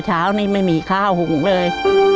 เช้านี้ไม่มีข้าวหุงเลย